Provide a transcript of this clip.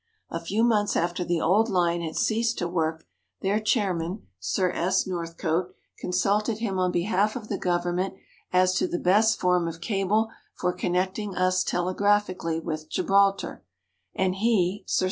A few months after the old line had ceased to work, their chairman (Sir S. Northcote) consulted him on behalf of the Government as to the best form of cable for connecting us telegraphically with Gibraltar, and he (Sir C.